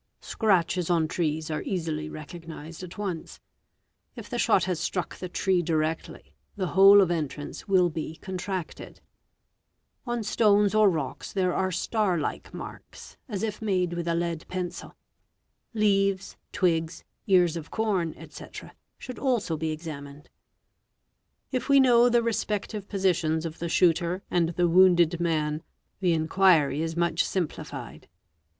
Scratches on trees are easily recognised i once. If the shot has struck the tree directly, the hole of entrance will be contracted. On stones or rocks there are star like marks, as if Mee lie ilk we, b f made with a lead pencil. Leaves, twigs, ears of corn, etc., should also be examined. ' If we know the respective positions of the shooter and the wounded EB ER BOT AOE lan, the inquiry is much simplified.